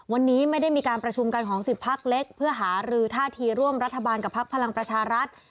วันนี้ไม่ได้มีการประชุมกันของ๑๐พักเล็กเพื่อหารือท่าทีร่วมรัฐบาลกับพักพลังประชารัฐ